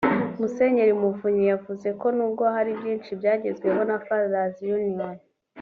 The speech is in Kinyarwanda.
Musenyeri Muvunyi yavuze ko nubwo hari byinshi byagezweho na Father’s Union